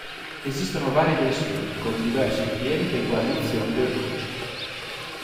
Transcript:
Esistono varie versioni con diversi ripieni e guarnizioni del dolce.